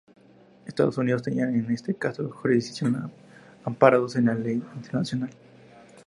Estados Unidos tenía en este caso jurisdicción amparados en la ley internacional.